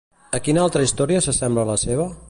A quina altra història s'assembla la seva?